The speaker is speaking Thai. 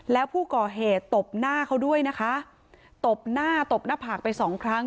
แล้วผู้ก่อเหตุตบหน้าเขาด้วยนะคะตบหน้าตบหน้าผากไปสองครั้ง